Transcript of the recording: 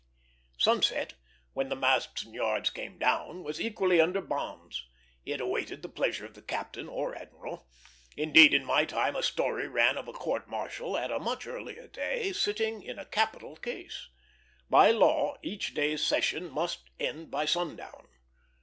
Sunset, when the masts and yards came down, was equally under bonds; it awaited the pleasure of the captain or admiral. Indeed, in my time a story ran of a court martial at a much earlier day, sitting in a capital case. By law, each day's session must end by sundown.